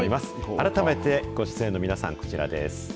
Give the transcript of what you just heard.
改めて、ご出演の皆さん、こちらです。